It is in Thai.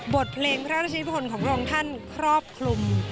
บทเพลงพระราชนิพลของพระองค์ท่านครอบคลุม